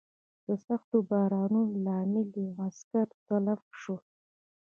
د سختو بارانونو له امله یې عسکر تلف شول.